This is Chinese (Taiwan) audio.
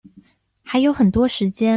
還有很多時間